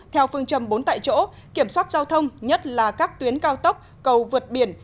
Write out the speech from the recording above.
theo phương châm bốn tại chỗ kiểm soát giao thông nhất là các tuyến cao tốc cầu vượt biển